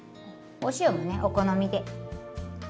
お塩もお好みで。